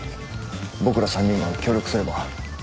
僕ら３人が協力すれば。